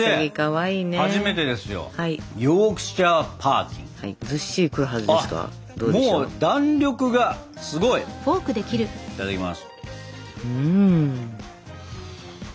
いただきます。